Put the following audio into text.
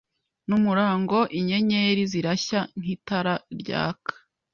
numurangoInyenyeri zirashya nkitara ryaka